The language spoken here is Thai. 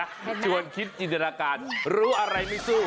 เห็นไหมชวนคิดอินทรากาศรู้อะไรมิซู